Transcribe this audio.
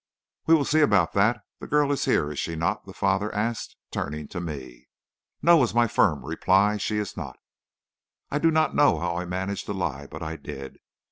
"'We will see about that. The girl is here, is she not?' the father asked, turning to me. "'No,' was my firm reply; 'she is not.' "I do not know how I managed the lie, but I did.